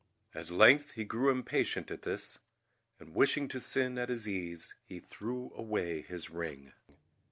At length he grew impatient at this, and wishing to sin at his ease, he threw away his ring.